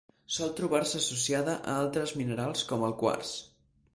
Sol trobar-se associada a altres minerals com el quars.